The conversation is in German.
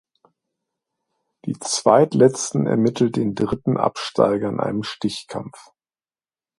Die Zweitletzten ermitteln den dritten Absteiger in einem Stichkampf.